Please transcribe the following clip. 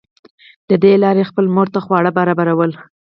له دې لارې یې خپلې مور ته خواړه برابرول